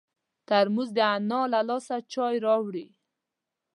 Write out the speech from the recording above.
ترموز د انا له لاسه چای راوړي.